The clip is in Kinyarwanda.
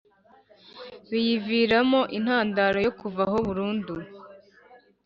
biyiviramo intandaro yo kuvaho burundu